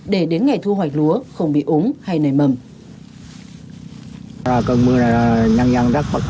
để đến ngày thu hoạch lúa không bị ốm hay nảy mầm